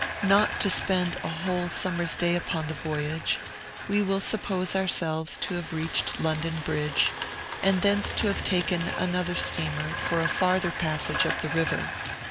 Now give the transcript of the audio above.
Not to spend a whole summer's day upon the voyage, we will suppose ourselves to have reached London Bridge, and thence to have taken another steamer for a farther passage up the river.